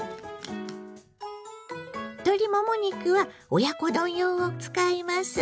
鶏もも肉は親子丼用を使います。